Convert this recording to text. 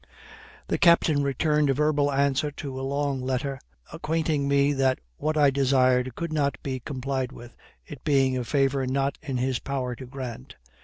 The captain returned a verbal answer to a long letter acquainting me that what I desired could not be complied with, it being a favor not in his power to grant.